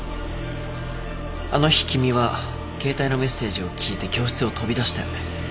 あの日君は携帯のメッセージを聞いて教室を飛び出したよね。